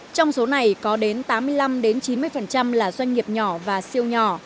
trong số này có đến tám mươi năm chín mươi là doanh nghiệp nhỏ và siêu nhỏ